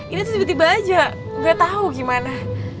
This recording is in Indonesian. ini tuh tiba tiba aja nggak tau gimana